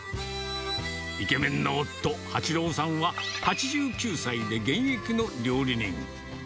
イケメンの夫、八朗さんは８９歳で現役の料理人。